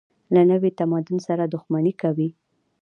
له نوي تمدن سره دښمني کوي.